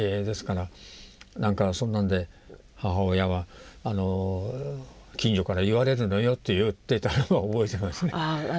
なんかそんなんで母親は「近所から言われるのよ」と言ってたのは覚えてますね。